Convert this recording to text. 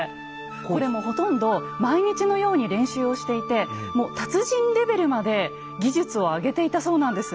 これもほとんど毎日のように練習をしていてもう達人レベルまで技術を上げていたそうなんです。